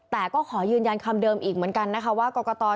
แต่ก็ขอยืนยันคำเดิมอีกเหมือนกันนะคะว่ากรกต